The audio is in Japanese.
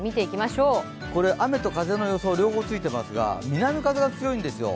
雨と風の予想、両方ついていますが、南風が強いんですよ。